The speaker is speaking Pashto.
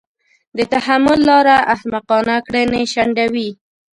د تحمل لاره احمقانه کړنې شنډوي.